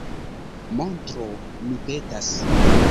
Montru, mi petas.